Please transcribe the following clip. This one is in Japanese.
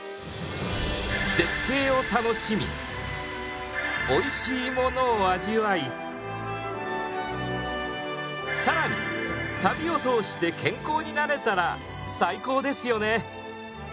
絶景を楽しみおいしいものを味わい更に旅を通して健康になれたら最高ですよね。